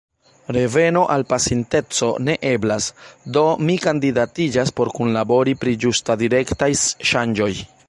Reveno al pasinteco ne eblas, do mi kandidatiĝas por kunlabori pri ĝustadirektaj ŝanĝoj.